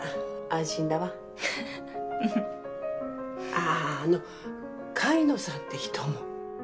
ああの狩野さんって人も。